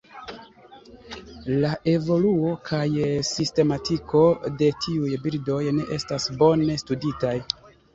La evoluo kaj sistematiko de tiuj birdoj ne estas bone studitaj.